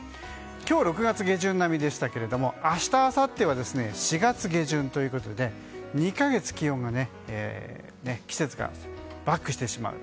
今日、６月下旬並みでしたが明日、あさっては４月下旬ということで２か月気温が季節がバックしてしまう。